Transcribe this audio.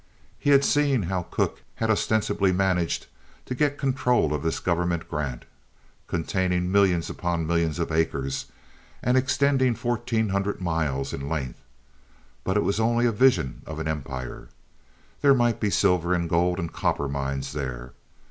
He had seen how Cooke had ostensibly managed to get control of this government grant, containing millions upon millions of acres and extending fourteen hundred miles in length; but it was only a vision of empire. There might be silver and gold and copper mines there.